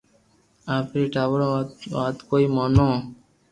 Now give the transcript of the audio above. اپي ٿارو وات ڪوئي مونو